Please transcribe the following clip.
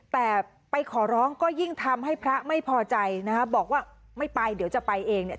แต่ไปขอร้องก็ยิ่งทำให้พระไม่พอใจนะคะบอกว่าไม่ไปเดี๋ยวจะไปเองเนี่ย